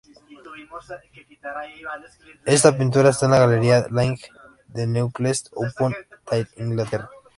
Esta pintura está en la Galería Laing, de Newcastle upon Tyne, Inglaterra.